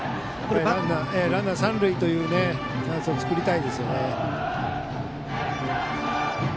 ランナー、三塁というチャンスを作りたいです。